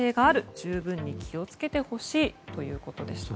十分に気を付けてほしいということでした。